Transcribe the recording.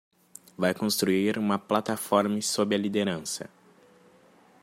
Vai construir uma plataforma sob a liderança